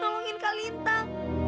produkti yang salah